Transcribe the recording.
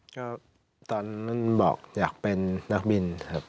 ก็ตอนนั้นบอกอยากเป็นนักบินครับ